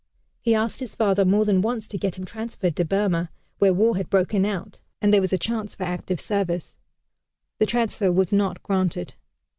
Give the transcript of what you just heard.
He asked his father more than once to get him transferred to Burma, where war had broken out and there was a chance for active service. The transfer was not granted.